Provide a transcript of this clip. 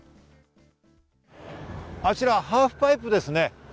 あちらハーフパイプですね。